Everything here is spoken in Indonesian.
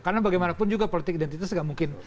karena bagaimanapun juga politik identitas gak mungkin